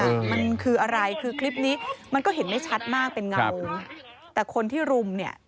มันคืออะไรคือคลิปนี้มันก็เห็นไม่ชัดมากเป็นเงาแต่คนที่รุมเนี่ย